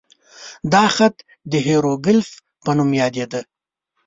دا خط د هیروګلیف په نوم یادېده.